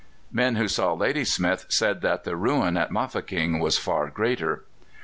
Men who saw Ladysmith said that the ruin at Mafeking was far greater.